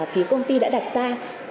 phía công ty đã đặt ra